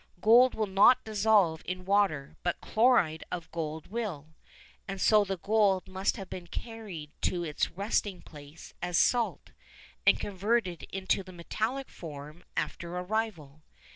Gold will not dissolve in water, but chloride of gold will. And so the gold must have been carried to its resting place as a salt, and converted into the metallic form after arrival.